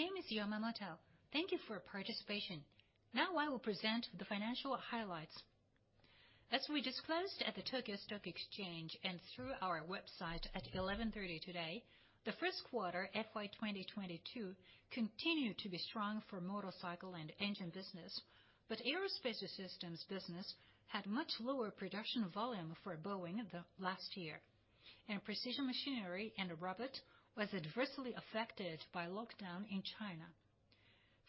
My name is Katsuya Yamamoto. Thank you for participation. Now I will present the financial highlights. As we disclosed at the Tokyo Stock Exchange and through our website at 11:30 today, the first quarter FY 2022 continued to be strong for Motorcycle & Engine business. Aerospace Systems business had much lower production volume for Boeing the last year, and Precision Machinery & Robot was adversely affected by lockdown in China.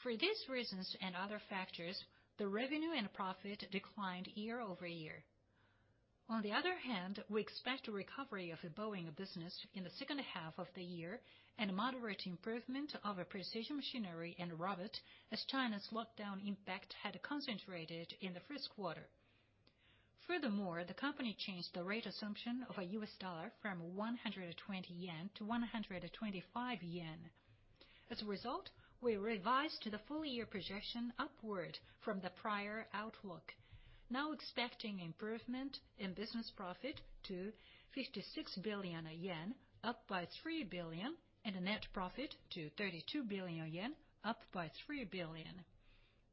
For these reasons and other factors, the revenue and profit declined year-over-year. On the other hand, we expect recovery of the Boeing business in the second half of the year and moderate improvement of a Precision Machinery & Robot as China's lockdown impact had concentrated in the first quarter. Furthermore, the company changed the rate assumption of a $ from 120 yen-125 yen. As a result, we revised the full year projection upward from the prior outlook, now expecting improvement in business profit to 56 billion yen, up by 3 billion, and a net profit to 32 billion yen, up by 3 billion.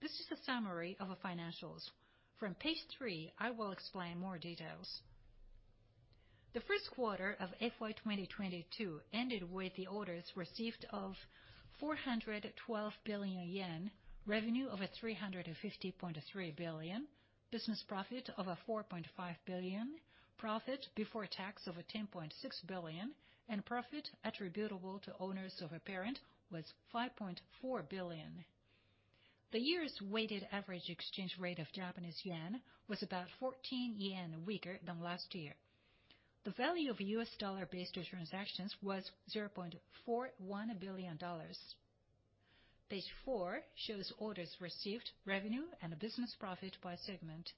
This is a summary of our financials. From page three, I will explain more details. The first quarter of FY 2022 ended with the orders received of 412 billion yen, revenue of 350.3 billion, business profit of 4.5 billion, profit before tax of 10.6 billion, and profit attributable to owners of a parent was 5.4 billion. The year's weighted average exchange rate of Japanese yen was about 14 yen weaker than last year. The value of $-based transactions was $0.41 billion. Page four shows orders received, revenue, and business profit by segment.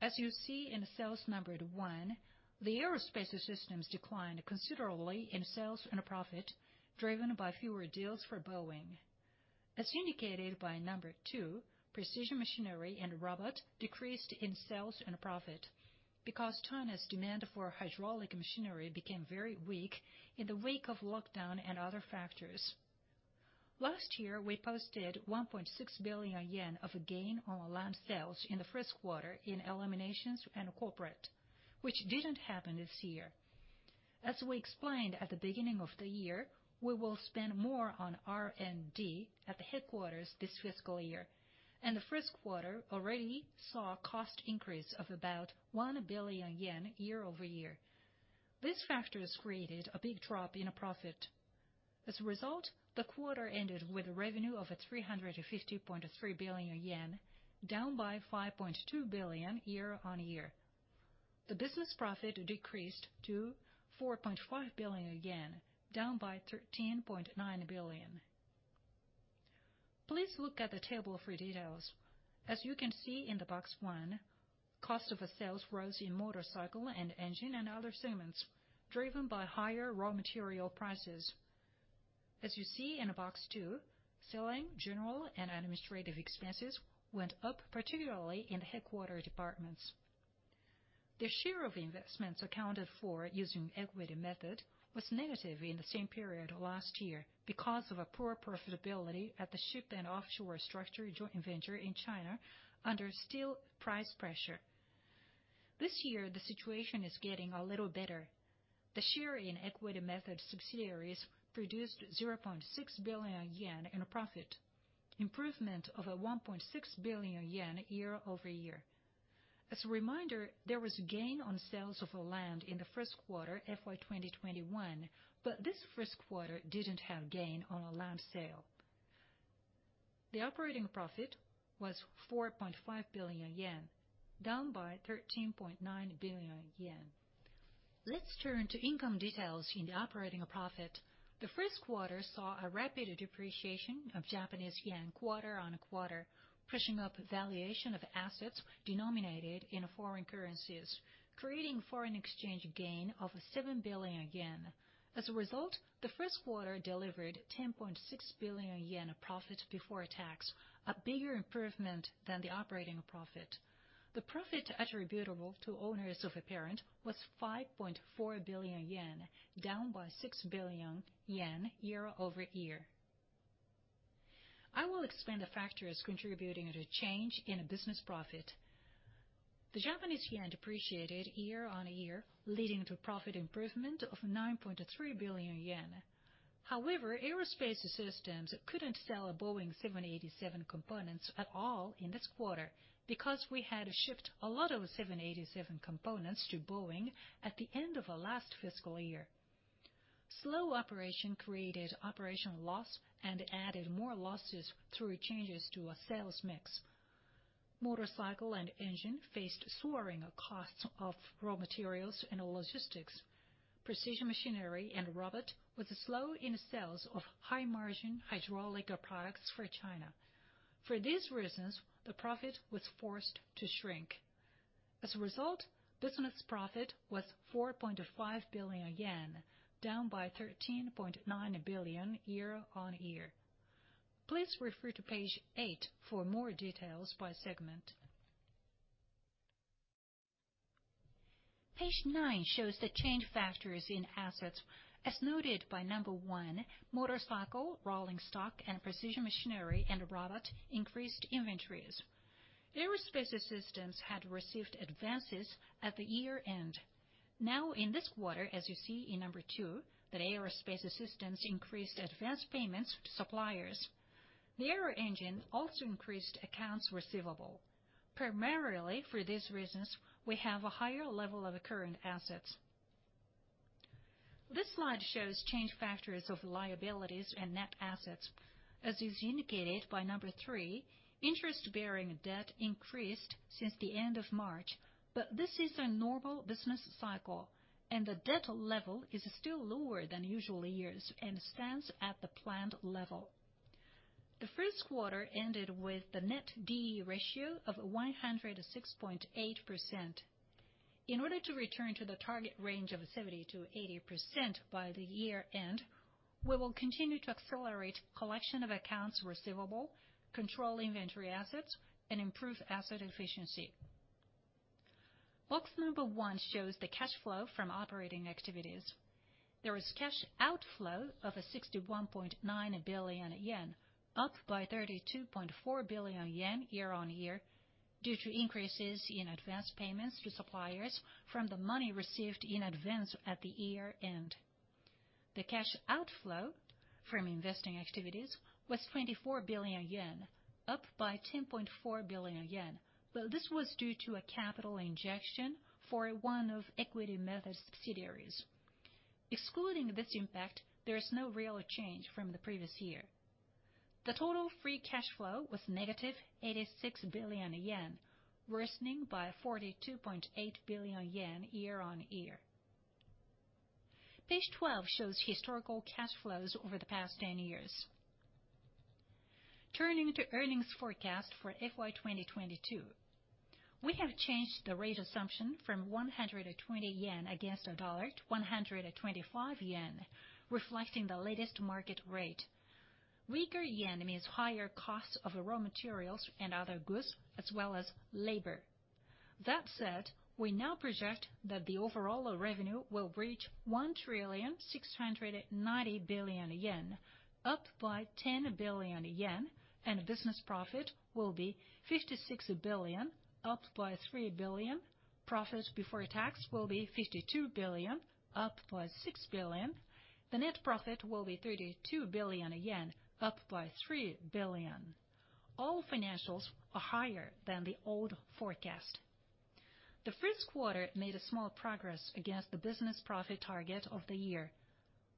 As you see in cells numbered one, the Aerospace Systems declined considerably in sales and profit, driven by fewer deals for Boeing. As indicated by number two, Precision Machinery & Robot decreased in sales and profit because China's demand for hydraulic machinery became very weak in the wake of lockdown and other factors. Last year, we posted 1.6 billion yen of gain on land sales in the first quarter in Eliminations and Corporate, which didn't happen this year. As we explained at the beginning of the year, we will spend more on R&D at the headquarters this fiscal year, and the first quarter already saw cost increase of about 1 billion yen year-over-year. These factors created a big drop in profit. As a result, the quarter ended with revenue of 350.3 billion yen, down by 5.2 billion year-on-year. The business profit decreased to 4.5 billion yen, down by 13.9 billion. Please look at the table for details. As you can see in the box one, cost of sales rose in Motorcycle & Engine and other segments, driven by higher raw material prices. As you see in box two, selling, general, and administrative expenses went up, particularly in headquarter departments. The share of investments accounted for using equity method was negative in the same period last year because of a poor profitability at the Ship & Offshore Structure joint venture in China under steel price pressure. This year, the situation is getting a little better. The share in equity method subsidiaries produced 0.6 billion yen in profit, improvement over 1.6 billion yen year-over-year. As a reminder, there was gain on sales of land in the first quarter FY 2021, but this first quarter didn't have gain on a land sale. The operating profit was 4.5 billion yen, down by 13.9 billion yen. Let's turn to income details in operating profit. The first quarter saw a rapid depreciation of Japanese yen quarter-on-quarter, pushing up valuation of assets denominated in foreign currencies, creating foreign exchange gain of 7 billion yen. As a result, the first quarter delivered 10.6 billion yen profit before tax, a bigger improvement than the operating profit. The profit attributable to owners of a parent was 5.4 billion yen, down by 6 billion year-over-year. I will explain the factors contributing to the change in business profit. The Japanese yen depreciated year-on-year, leading to profit improvement of 9.3 billion yen. However, Aerospace Systems couldn't sell Boeing 787 components at all in this quarter because we had to ship a lot of 787 components to Boeing at the end of our last fiscal year. Slow operations created operational loss and added more losses through changes to our sales mix. Motorcycle & Engine faced soaring costs of raw materials and logistics. Precision Machinery & Robot was slow in sales of high-margin hydraulic products for China. For these reasons, the profit was forced to shrink. As a result, business profit was 4.5 billion yen, down by 13.9 billion year-on-year. Please refer to page eight for more details by segment. Page nine shows the change factors in assets. As noted by number one, Motorcycle, Rolling Stock, and Precision Machinery & Robot increased inventories. Aerospace Systems had received advances at the year-end. Now in this quarter, as you see in number two, that Aerospace Systems increased advance payments to suppliers. The Aero Engine also increased accounts receivable. Primarily for these reasons, we have a higher level of current assets. This slide shows change factors of liabilities and net assets. As is indicated by number three, interest-bearing debt increased since the end of March, but this is a normal business cycle, and the debt level is still lower than usual years and stands at the planned level. The first quarter ended with the net D/E ratio of 106.8%. In order to return to the target range of 70%-80% by the year-end, we will continue to accelerate collection of accounts receivable, control inventory assets, and improve asset efficiency. Box one shows the cash flow from operating activities. There is cash outflow of 61.9 billion yen, up by 32.4 billion yen year-on-year due to increases in advance payments to suppliers from the money received in advance at the year-end. The cash outflow from investing activities was 24 billion yen, up by 10.4 billion yen, but this was due to a capital injection for one of equity method subsidiaries. Excluding this impact, there is no real change from the previous year. The total free cash flow was -86 billion yen, worsening by 42.8 billion yen year-on-year. Page 12 shows historical cash flows over the past 10 years. Turning to earnings forecast for FY 2022. We have changed the rate assumption from 120 yen against the $ to 125 yen, reflecting the latest market rate. Weaker yen means higher costs of raw materials and other goods as well as labor. That said, we now project that the overall revenue will reach 1,690 billion yen, up by 10 billion yen, and business profit will be 56 billion, up by 3 billion. Profit before tax will be 52 billion, up by 6 billion. The net profit will be 32 billion yen, up by 3 billion. All financials are higher than the old forecast. The first quarter made a small progress against the business profit target of the year,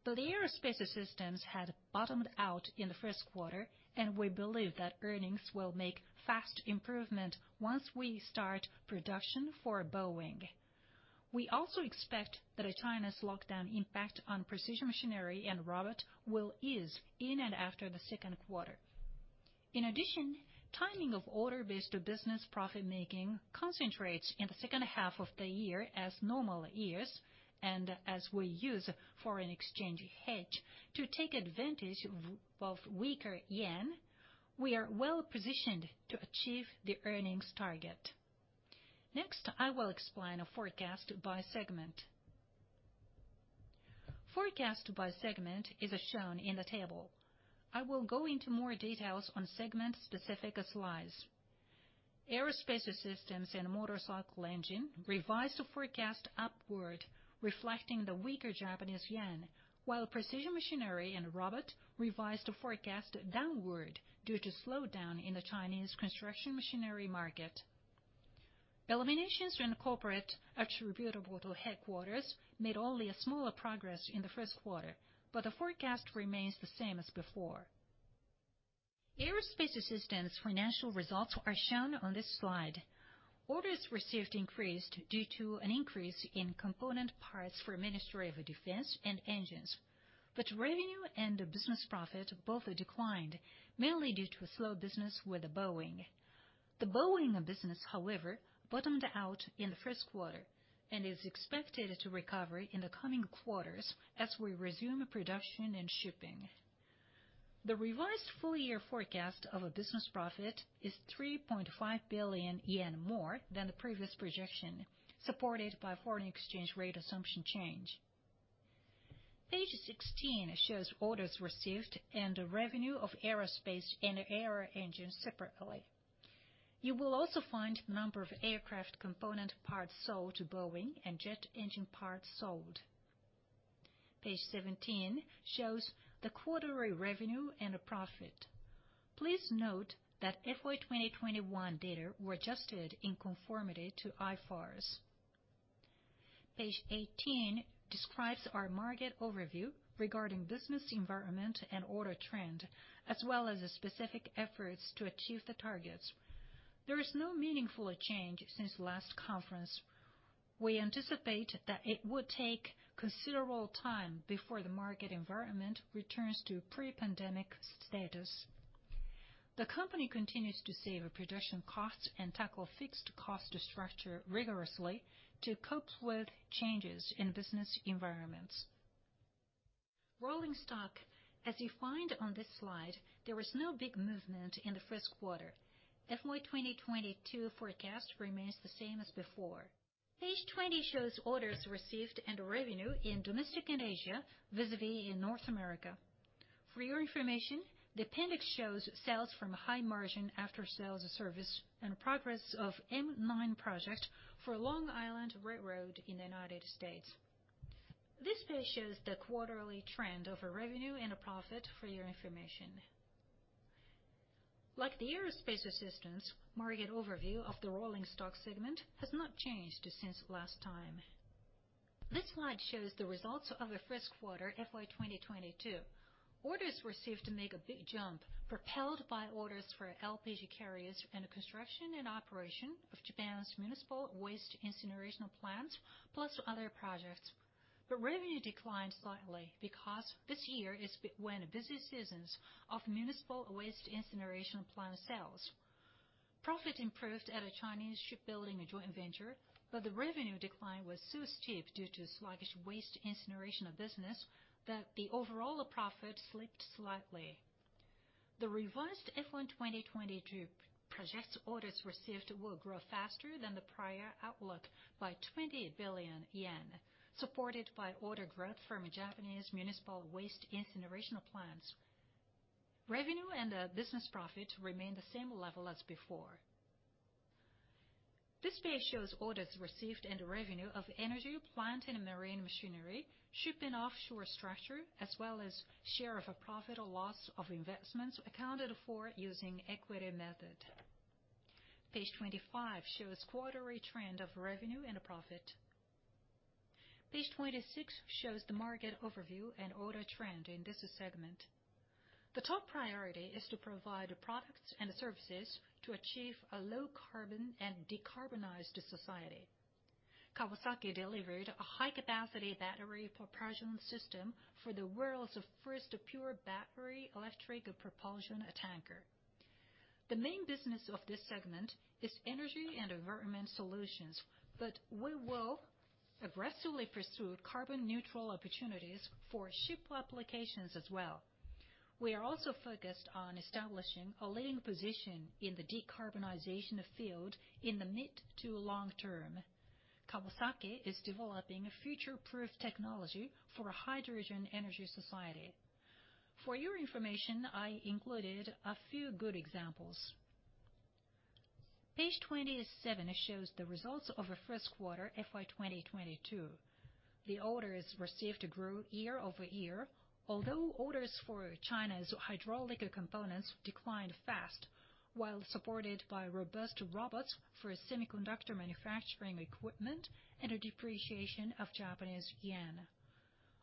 but Aerospace Systems had bottomed out in the first quarter, and we believe that earnings will make fast improvement once we start production for Boeing. We also expect that China's lockdown impact on Precision Machinery & Robot will ease in and after the second quarter. In addition, timing of order-based business profit-making concentrates in the second half of the year as normal years, and as we use foreign exchange hedge to take advantage of weaker yen, we are well-positioned to achieve the earnings target. Next, I will explain a forecast by segment. Forecast by segment is as shown in the table. I will go into more details on segment specific slides. Aerospace Systems and Motorcycle & Engine revised forecast upward, reflecting the weaker Japanese yen, while Precision Machinery & Robot revised forecast downward due to slowdown in the Chinese construction machinery market. Eliminations & Corporate attributable to headquarters made only a smaller progress in the first quarter, but the forecast remains the same as before. Aerospace Systems financial results are shown on this slide. Orders received increased due to an increase in component parts for Ministry of Defense and engines. Revenue and the business profit both declined, mainly due to a slow business with Boeing. The Boeing business, however, bottomed out in the first quarter and is expected to recover in the coming quarters as we resume production and shipping. The revised full year forecast of a business profit is 3.5 billion yen more than the previous projection, supported by foreign exchange rate assumption change. Page 16 shows orders received and the revenue of Aerospace and Aero Engine separately. You will also find number of aircraft component parts sold to Boeing and jet engine parts sold. Page 17 shows the quarterly revenue and profit. Please note that FY 2021 data were adjusted in conformity to IFRS. Page 18 describes our market overview regarding business environment and order trend, as well as the specific efforts to achieve the targets. There is no meaningful change since last conference. We anticipate that it would take considerable time before the market environment returns to pre-pandemic status. The company continues to save production costs and tackle fixed cost structure rigorously to cope with changes in business environments. Rolling Stock. As you find on this slide, there was no big movement in the first quarter. FY2022 forecast remains the same as before. Page 20 shows orders received and revenue in domestic and Asia, vis-à-vis in North America. For your information, the appendix shows sales from high margin after-sales service and progress of M9 project for Long Island Rail Road in the United States. This page shows the quarterly trend of revenue and profit for your information. Like the Aerospace Systems, market overview of the rolling stock segment has not changed since last time. This slide shows the results of the first quarter FY2022. Orders received make a big jump, propelled by orders for LPG carriers and the construction and operation of Japan's municipal waste incineration plant, plus other projects. Revenue declined slightly because this year is when busy seasons of municipal waste incineration plant sales. Profit improved at a Chinese shipbuilding joint venture, but the revenue decline was so steep due to sluggish waste incineration business that the overall profit slipped slightly. The revised FY2022 projects orders received will grow faster than the prior outlook by 20 billion yen, supported by order growth from Japanese municipal waste incineration plants. Revenue and business profit remain the same level as before. This page shows orders received and revenue of Energy Solution & Marine Engineering, Ship & Offshore Structure, as well as share of a profit or loss of investments accounted for using equity method. Page 25 shows quarterly trend of revenue and profit. Page 26 shows the market overview and order trend in this segment. The top priority is to provide products and services to achieve a low carbon and decarbonized society. Kawasaki delivered a high-capacity battery propulsion system for the world's first pure battery electric propulsion tanker. The main business of this segment is energy and environment solutions, but we will aggressively pursue carbon neutral opportunities for ship applications as well. We are also focused on establishing a leading position in the decarbonization field in the mid- to long-term. Kawasaki is developing a future-proof technology for a hydrogen energy society. For your information, I included a few good examples. Page 27 shows the results of the first quarter FY2022. The orders received grew year-over-year, although orders for China's hydraulic components declined fast, while supported by robust robots for semiconductor manufacturing equipment and a depreciation of Japanese yen.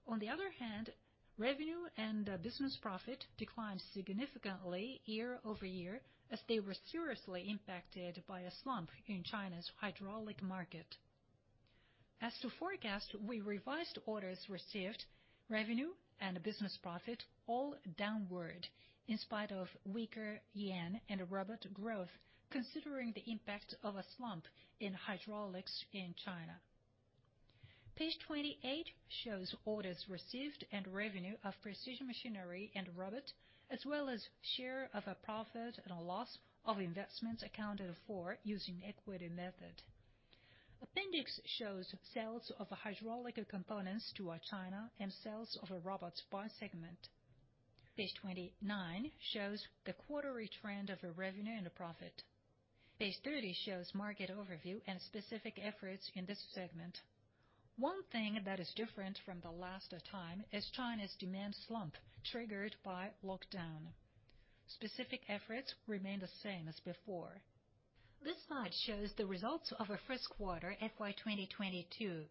On the other hand, revenue and business profit declined significantly year-over-year as they were seriously impacted by a slump in China's hydraulic market. As to forecast, we revised orders received, revenue, and business profit all downward in spite of weaker yen and robot growth, considering the impact of a slump in hydraulics in China. Page 28 shows orders received and revenue of Precision Machinery & Robot, as well as share of a profit and a loss of investments accounted for using equity method. Appendix shows sales of hydraulic components to China and sales of robots by segment. Page 29 shows the quarterly trend of revenue and profit. Page 30 shows market overview and specific efforts in this segment. One thing that is different from the last time is China's demand slump triggered by lockdown. Specific efforts remain the same as before. This slide shows the results of our first quarter FY2022.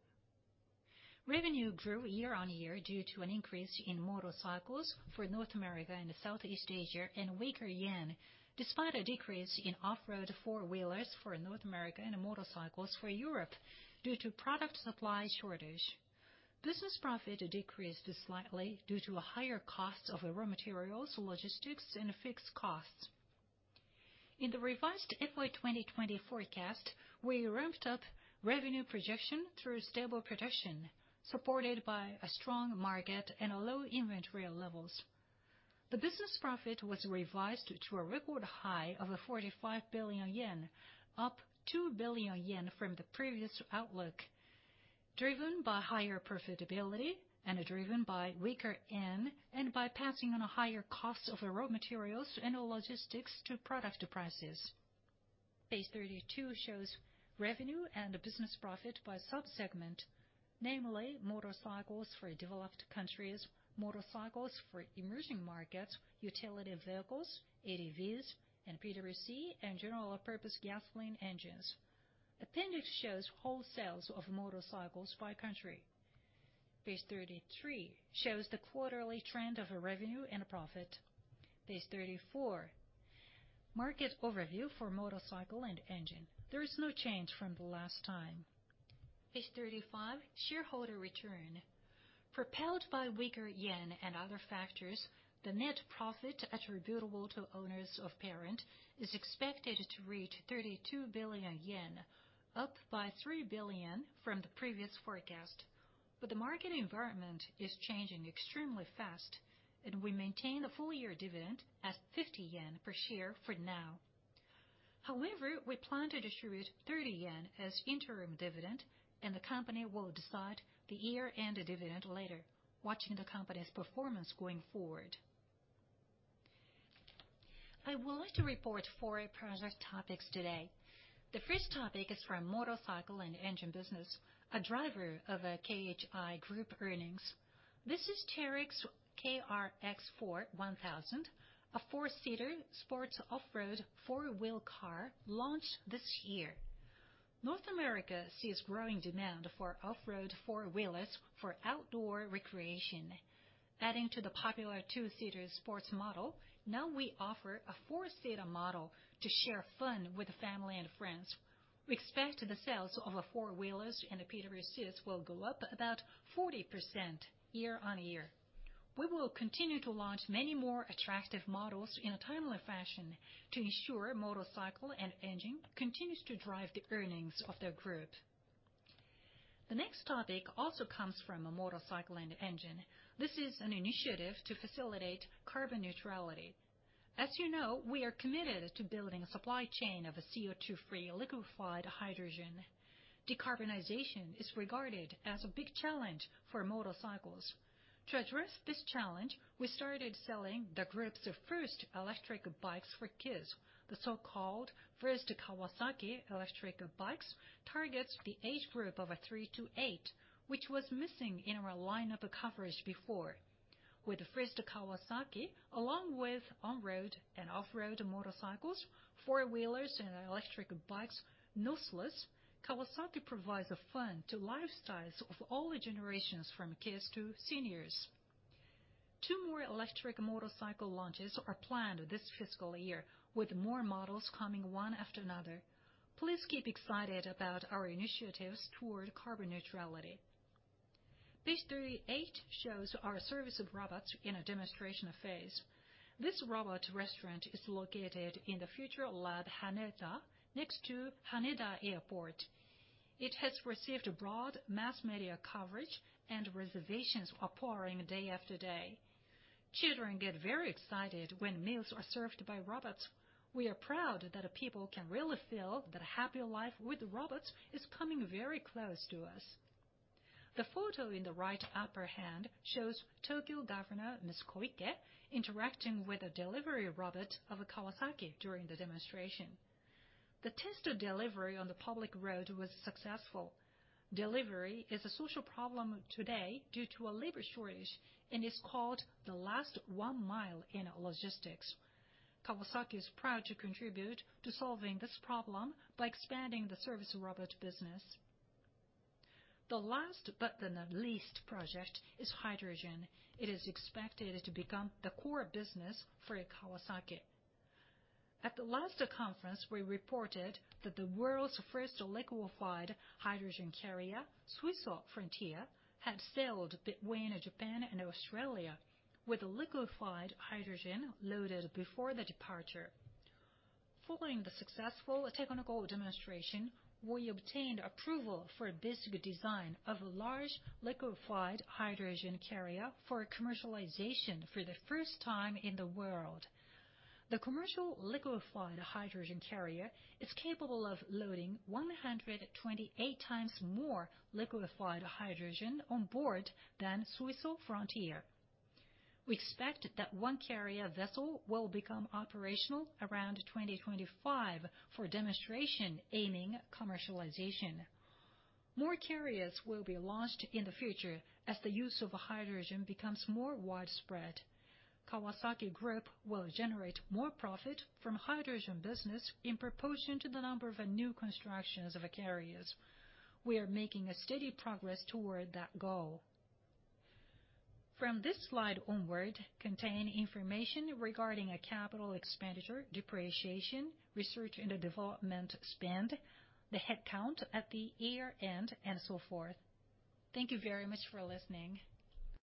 Revenue grew year on year due to an increase in motorcycles for North America and Southeast Asia and weaker yen, despite a decrease in off-road four-wheelers for North America and motorcycles for Europe due to product supply shortage. Business profit decreased slightly due to a higher cost of raw materials, logistics, and fixed costs. In the revised FY2020 forecast, we ramped up revenue projection through stable production, supported by a strong market and low inventory levels. The business profit was revised to a record high of 45 billion yen, up 2 billion yen from the previous outlook, driven by higher profitability and driven by weaker yen and by passing on higher costs of raw materials and logistics to product prices. Page 32 shows revenue and business profit by sub-segment, namely motorcycles for developed countries, motorcycles for emerging markets, utility vehicles, ATVs and PWC, and general purpose gasoline engines. Appendix shows wholesale sales of motorcycles by country. Page 33 shows the quarterly trend of revenue and profit. Page 34, market overview for Motorcycle & Engine. There is no change from the last time. Page 35, shareholder return. Propelled by weaker yen and other factors, the net profit attributable to owners of parent is expected to reach 32 billion yen, up by 3 billion from the previous forecast. The market environment is changing extremely fast, and we maintain the full year dividend at 50 yen per share for now. However, we plan to distribute 30 yen as interim dividend, and the company will decide the year-end dividend later, watching the company's performance going forward. I would like to report four project topics today. The first topic is from Motorcycle & Engine business, a driver of KHI Group earnings. This is Teryx KRX4 1000, a four-seater sports off-road four-wheel car launched this year. North America sees growing demand for off-road four-wheelers for outdoor recreation. Adding to the popular two-seater sports model, now we offer a four-seater model to share fun with family and friends. We expect the sales of the four-wheelers and the PWCs will go up about 40% year-on-year. We will continue to launch many more attractive models in a timely fashion to ensure Motorcycle & Engine continues to drive the earnings of the group. The next topic also comes from a Motorcycle & Engine. This is an initiative to facilitate carbon neutrality. As you know, we are committed to building a supply chain of a CO2-free liquefied hydrogen. Decarbonization is regarded as a big challenge for motorcycles. To address this challenge, we started selling the group's first electric bikes for kids. The so-called first Kawasaki electric bikes targets the age group of three to eight, which was missing in our lineup coverage before. With the first Kawasaki, along with on-road and off-road motorcycles, four-wheelers and electric bikes, no less, Kawasaki provides a fun to lifestyles of all generations from kids to seniors. Two more electric motorcycle launches are planned this fiscal year, with more models coming one after another. Please keep excited about our initiatives toward carbon neutrality. Page 38 shows our service robots in a demonstration phase. This robot restaurant is located in the Future Lab HANEDA, next to Haneda Airport. It has received broad mass media coverage, and reservations are pouring day after day. Children get very excited when meals are served by robots. We are proud that people can really feel that a happier life with robots is coming very close to us. The photo in the upper right-hand shows Tokyo Governor Ms. Koike interacting with a delivery robot of Kawasaki during the demonstration. The test delivery on the public road was successful. Delivery is a social problem today due to a labor shortage and is called the last mile in logistics. Kawasaki is proud to contribute to solving this problem by expanding the service robot business. The last but not least project is hydrogen. It is expected to become the core business for Kawasaki. At the last conference, we reported that the world's first liquefied hydrogen carrier, Suiso Frontier, had sailed between Japan and Australia with liquefied hydrogen loaded before the departure. Following the successful technical demonstration, we obtained approval for basic design of a large liquefied hydrogen carrier for commercialization for the first time in the world. The commercial liquefied hydrogen carrier is capable of loading 128 times more liquefied hydrogen on board than Suiso Frontier. We expect that one carrier vessel will become operational around 2025 for demonstration aiming commercialization. More carriers will be launched in the future as the use of hydrogen becomes more widespread. Kawasaki Group will generate more profit from hydrogen business in proportion to the number of new constructions of the carriers. We are making a steady progress toward that goal. From this slide onward contain information regarding a capital expenditure, depreciation, research and development spend, the headcount at the year-end, and so forth. Thank you very much for listening.